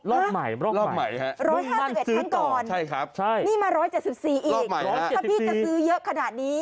รอบใหม่ครับมุ่งมั่นซื้อต่อนี่มา๑๗๔อีกถ้าพี่จะซื้อเยอะขนาดนี้